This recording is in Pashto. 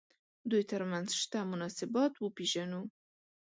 دوی تر منځ شته مناسبات وپېژنو.